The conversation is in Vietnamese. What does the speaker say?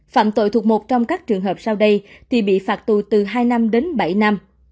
phạm tội thuộc một trong các trường hợp sau đây thì bị phạt tù từ hai năm đến bảy năm